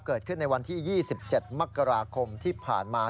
เกิดขึ้นในวันที่๒๗มกราคมที่ผ่านมา